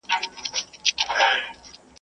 ادب له زخمه اخيستل کېږي.